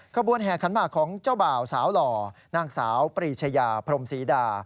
ขบวนแห่ขันหมากของเจ้าบ่าวสาวหล่อนางสาวปรีชยาพรมศรีดา